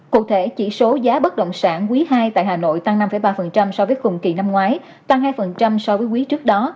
cụ thể chỉ số giá bất động sản quý ii tại hà nội tăng năm ba so với cùng kỳ năm ngoái tăng hai so với quý trước đó